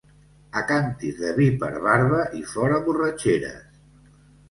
A càntir de vi per barba i fora borratxeres.